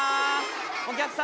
お客様。